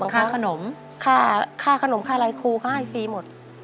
ข้าขนมข้าขนมข้าลายครูข้าให้ฟรีหมด